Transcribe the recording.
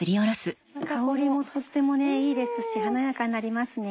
香りもとってもいいですし華やかになりますね。